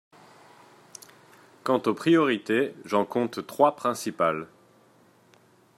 Quant aux priorités, j’en compte trois principales.